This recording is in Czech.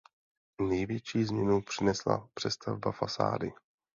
Největší změnu přinesla přestavba fasády.